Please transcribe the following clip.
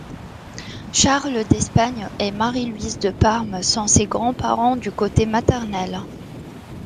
Charles d’Espagne et Marie-Louise de Parme sont ses grands-parents du côté maternel.